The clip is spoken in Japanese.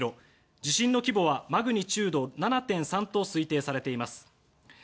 地震の規模はマグニチュード７．３と推定されています。